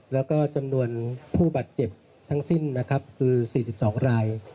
แล้วก็จำนวนผู้บาดเจ็บทั้งสิ้นนะครับคือ๔๒ราย